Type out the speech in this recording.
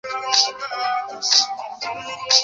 而背面图案则显示了富士山取景和樱花。